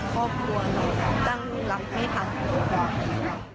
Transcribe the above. ใช่ค่ะอยู่กับย่าอีกคนไม่เสียชีวิตด้วยกัน